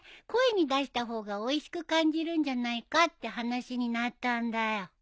声に出した方がおいしく感じるんじゃないかって話になったんだよ。